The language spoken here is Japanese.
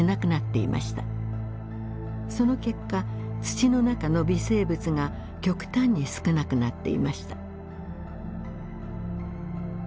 その結果土の中の微生物が極端に少なくなっていました。